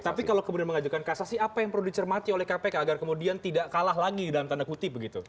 tapi kalau kemudian mengajukan kasasi apa yang perlu dicermati oleh kpk agar kemudian tidak kalah lagi dalam tanda kutip begitu